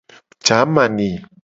Jamani.